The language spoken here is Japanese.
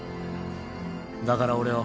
だから俺を。